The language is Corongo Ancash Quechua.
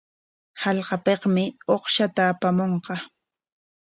Hallqapikmi uqshata apamunqa.